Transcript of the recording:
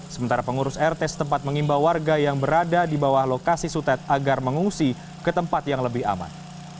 sementara pengurus rt setempat mengimbau warga yang berada di bawah lokasi sutet agar mengungsi ke tempat yang lebih aman